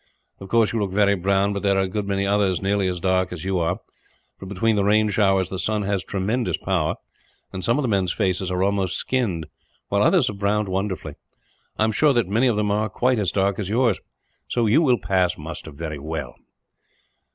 Of course you look very brown, but there are a good many others nearly as dark as you are; for between the rain showers the sun has tremendous power, and some of the men's faces are almost skinned, while others have browned wonderfully. I am sure that many of them are quite as dark as yours. So you will pass muster very well."